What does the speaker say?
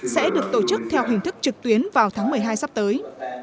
sẽ được tổ chức theo hình thức trực tuyến vào tháng một mươi hai sắp tới